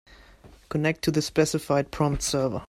Connect to the specified prompt server.